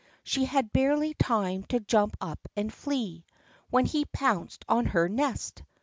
She had barely time to jump up and flee, When he pounced on her nest.